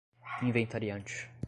inventariante